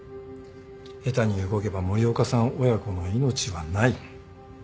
下手に動けば森岡さん親子の命はない。